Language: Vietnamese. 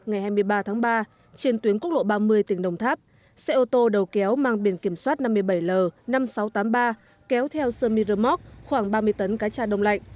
ngày hai mươi ba tháng ba trên tuyến quốc lộ ba mươi tỉnh đồng tháp xe ô tô đầu kéo mang biển kiểm soát năm mươi bảy l năm nghìn sáu trăm tám mươi ba kéo theo sơ miramok khoảng ba mươi tấn cái trà đông lạnh